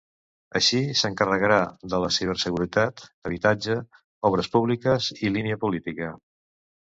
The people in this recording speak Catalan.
Així, s'encarregarà de la ciberseguretat, habitatge, obres públiques i línia política.